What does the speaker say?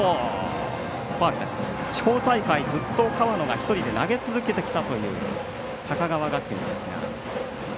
地方大会、ずっと河野が投げ続けてきたという高川学園ですが。